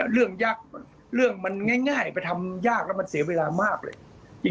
เรื่องง่ายทำง่ายแล้วมันไหลเสียเวลามากเลย